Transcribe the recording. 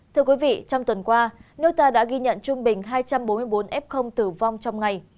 thưa quý vị trong tuần qua nước ta đã ghi nhận trung bình hai trăm bốn mươi bốn f tử vong trong ngày